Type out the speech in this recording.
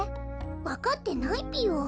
わかってないぴよ。